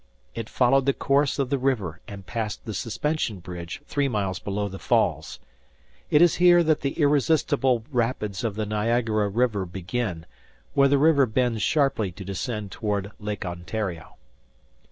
It followed the course of the river and passed the Suspension Bridge three miles below the falls. It is here that the irresistible rapids of the Niagara River begin, where the river bends sharply to descend toward Lake Ontario.